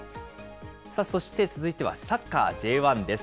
そして続いてはサッカーＪ１です。